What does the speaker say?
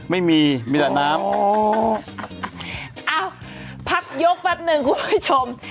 ไม่มีมีแต่น้ำอ๋ออ้าวพักยกแป๊บหนึ่งคุณผู้ชม